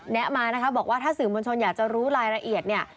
มานะคะบอกว่าถ้าสื่อมวลชนอยากจะรู้รายละเอียดเนี่ย